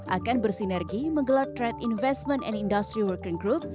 akan bersinergi menggelar trade investment and industry working group